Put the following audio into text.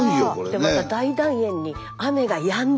でも大団円に雨がやんで。